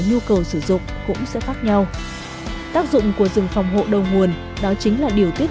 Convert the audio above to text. nhu cầu sử dụng cũng sẽ khác nhau tác dụng của rừng phòng hộ đầu nguồn đó chính là điều tiết